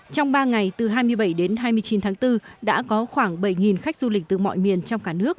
trong ba ngày từ hai mươi bảy đến hai mươi chín tháng bốn đã có khoảng bảy khách du lịch từ mọi miền trong cả nước